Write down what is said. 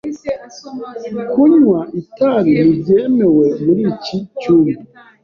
Kunywa itabi ntibyemewe muri iki cyumba.